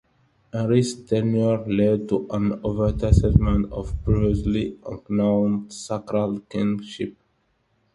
Henry's tenure led to an overstatement of previously unknown sacral kingship.